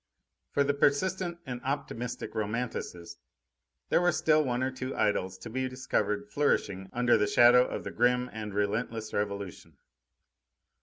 III For the persistent and optimistic romanticist, there were still one or two idylls to be discovered flourishing under the shadow of the grim and relentless Revolution.